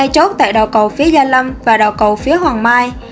hai chốt tại đầu cầu phía gia lâm và đào cầu phía hoàng mai